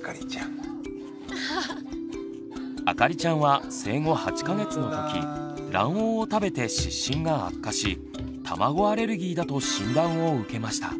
あかりちゃんは生後８か月の時卵黄を食べて湿疹が悪化し卵アレルギーだと診断を受けました。